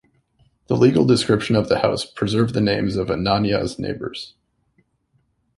The legal descriptions of the house preserve the names of Ananiah's neighbors.